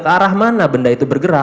ke arah mana benda itu bergerak